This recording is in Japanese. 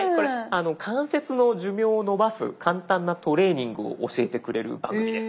関節の寿命を延ばす簡単なトレーニングを教えてくれる番組です。